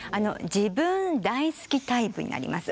自分大好きタイプになります。